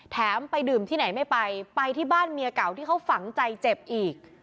ไปดื่มที่ไหนไม่ไปไปที่บ้านเมียเก่าที่เขาฝังใจเจ็บอีก